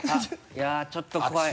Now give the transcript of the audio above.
いやちょっと怖い